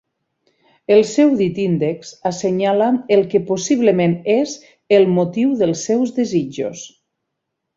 El seu dit índex assenyala el que possiblement és el motiu dels seus desitjos.